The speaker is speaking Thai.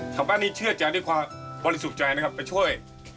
ชาวบ้านนี้เชื่อใจด้วยความบริสุขใจไปช่วย